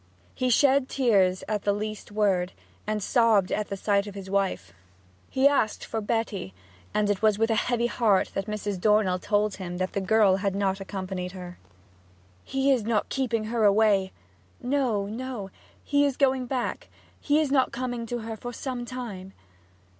He shed tears at the least word, and sobbed at the sight of his wife. He asked for Betty, and it was with a heavy heart that Mrs. Dornell told him that the girl had not accompanied her. 'He is not keeping her away?' 'No, no. He is going back he is not coming to her for some time.'